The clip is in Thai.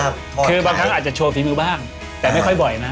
คือบางครั้งอาจจะโชว์ฝีมือบ้างแต่ไม่ค่อยบ่อยนะ